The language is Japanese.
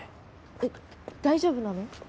えっ大丈夫なの？